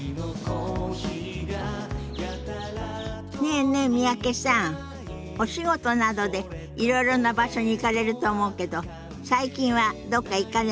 ねえねえ三宅さんお仕事などでいろいろな場所に行かれると思うけど最近はどっか行かれました？